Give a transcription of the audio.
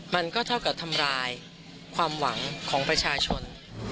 มันก็เท่ากับทำลายความหวังของประชาชน